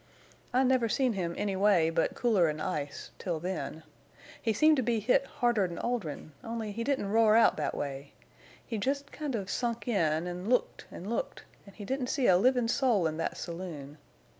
I never seen him anyway but cooler 'n ice—till then. He seemed to be hit harder 'n Oldrin', only he didn't roar out thet way. He jest kind of sunk in, an' looked an' looked, an' he didn't see a livin' soul in thet saloon.